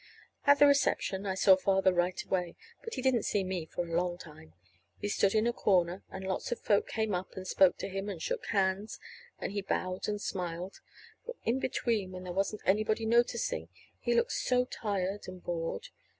At the reception I saw Father right away, but he didn't see me for a long time. He stood in a corner, and lots of folks came up and spoke to him and shook hands; and he bowed and smiled but in between, when there wasn't anybody noticing, he looked so tired and bored.